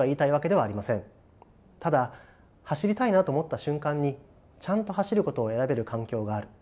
ただ走りたいなと思った瞬間にちゃんと走ることを選べる環境がある。